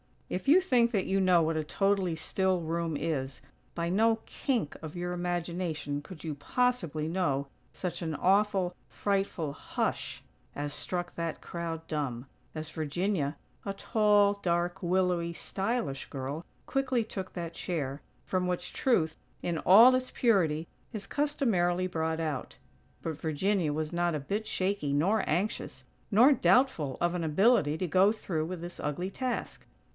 If you think that you know what a totally still room is, by no kink of your imagination could you possibly know such an awful, frightful hush as struck that crowd dumb, as Virginia, a tall, dark, willowy, stylish girl quickly took that chair, from which Truth, in all its purity, is customarily brought out. But Virginia was not a bit shaky nor anxious, nor doubtful of an ability to go through with this ugly task.